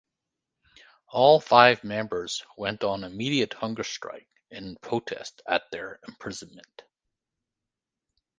All five members went on immediate hunger strike in protest at their imprisonment.